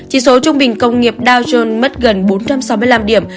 chỉ số trung bình công nghiệp dow jones mất gần bốn trăm sáu mươi năm điểm